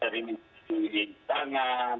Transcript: misalnya dari menikmati tangan